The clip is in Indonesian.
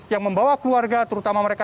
yang membawa keluarga terutama mereka